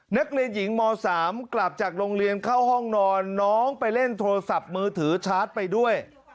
นักเรียนหญิงม๓กลับจากโรงเรียนเข้าห้องนอนน้องไปเล่นโทรศัพท์มือถือชาร์จไปด้วย